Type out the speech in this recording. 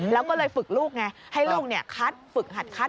แล้วก็เลยฝึกลูกไงให้ลูกคัดฝึกหัดคัด